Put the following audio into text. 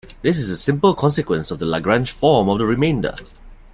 This is a simple consequence of the Lagrange form of the remainder.